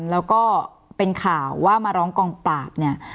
แล้วก็เป็นข่าวว่ามาร้องกองปราบเนี่ย